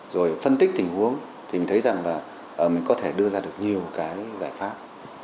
rồi phân tích tình huống thì mình thấy rằng là mình có thể đưa ra được nhiều cái giải pháp